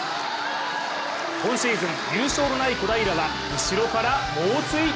今シーズン、優勝のない小平が後ろから猛追。